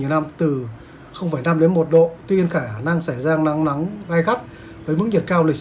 nhiều năm từ năm đến một độ tuy nhiên khả năng xảy ra nắng nắng gai gắt với mức nhiệt cao lịch